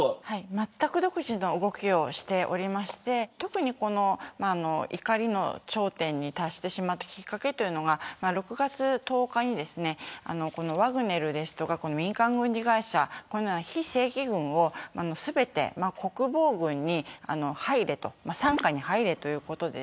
まったく独自の動きをしていまして特に、この怒りの頂点に達してしまったきっかけは６月１０日にワグネルや民間軍事会社このような非正規軍を全て国防軍に入れ傘下に入れとしたことです。